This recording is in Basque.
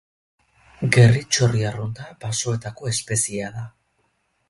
Gerri-txori arrunta basoetako espeziea da.